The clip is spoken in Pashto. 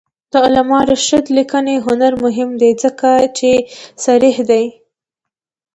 د علامه رشاد لیکنی هنر مهم دی ځکه چې صریح دی.